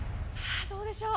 ⁉どうでしょう？